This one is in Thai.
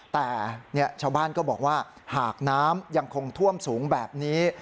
แต่ชาวบ้านก็บอกว่าหากน้ำยังคงท่วมสูงแบบนี้